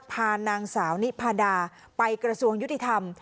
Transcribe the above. พานางสาวนิพาดาไปกระทรวงยุติธรรม